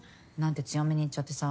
強めに言っちゃってさ。